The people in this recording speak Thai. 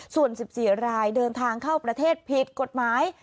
ส่วน๑๔รายเดินทางเข้าประเทศผิดกฎหมาย